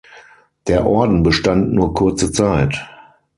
Der Orden bestand nur kurze Zeit.